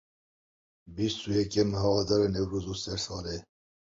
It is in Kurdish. Bîst û yekê meha Adarê Newroz û Sersal e.